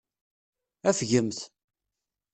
Afgemt.